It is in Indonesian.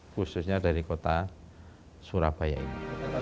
khususnya dari kota surabaya ini